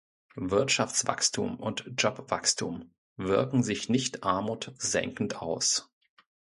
Wirtschaftswachstum und Jobwachstum wirken sich nicht Armut senkend aus.